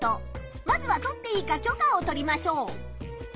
まずは撮っていいか許可を取りましょう。